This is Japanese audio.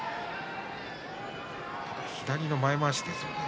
左の前まわしですよね。